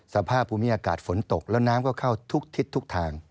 สภาพภูมิอากาศฝนตกแล้วน้ำก็เข้าทุกทิศทุกทาง